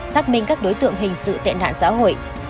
xác minh các đối tượng hình sự tệ nạn xã hội